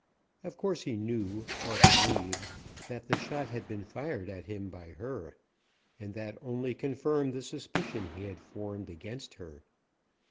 Of course he knew, or believed, that the shot had been fired at him by her, and that only confirmed the suspicion he had formed against her.